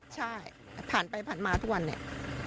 ใช่ผ่านไปผ่านมาทุกวันเนี่ย